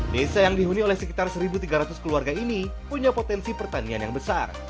desa yang dihuni oleh sekitar satu tiga ratus keluarga ini punya potensi pertanian yang besar